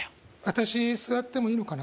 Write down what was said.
私座ってもいいのかな？